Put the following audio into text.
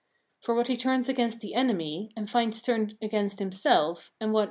For what he turns against the enemy, and finds turned against himself, and what.